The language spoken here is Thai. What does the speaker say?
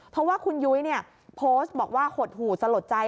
เพราะว่าคุณยุ้ยโพสต์บอกว่าหดหู่สลดใจ